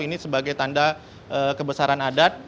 ini sebagai tanda kebesaran adat